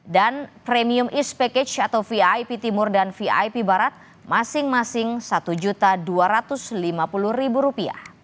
dan premium east package atau vip timur dan vip barat masing masing rp satu dua ratus lima puluh